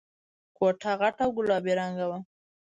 کوټه غټه او گلابي رنګه وه.